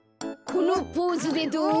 このポーズでどう？